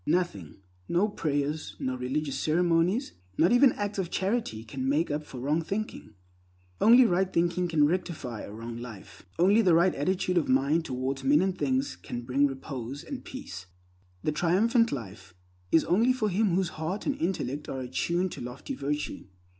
Nothing, no prayers, no religious ceremonies, not even acts of charity, can make up for wrong thinking. Only right thinking can rectify a wrong life. Only the right attitude of mind towards men and things can bring repose and peace. The Triumphant Life is only for him whose heart and intellect are attuned to lofty virtue.